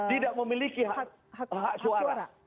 tidak memiliki hak suara